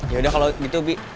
yaudah kalau gitu bi